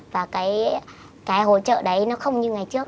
và cái hỗ trợ đấy nó không như ngày trước